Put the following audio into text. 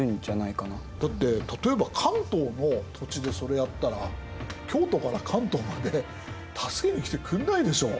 だって例えば関東の土地でそれやったら京都から関東まで助けに来てくんないでしょう？